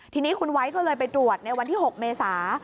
ทีนี้คุณไว้ก็เลยไปตรวจในวันที่๖เมษา